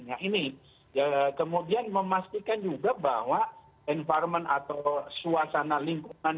nah ini kemudian memastikan juga bahwa environment atau suasana lingkungan